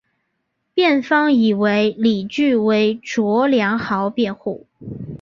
辩方以为理据为卓良豪辩护。